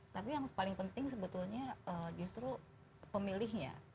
tapi yang paling penting sebetulnya justru pemilihnya